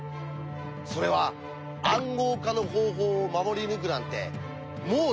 それは「暗号化の方法」を守り抜くなんてもうやめよう！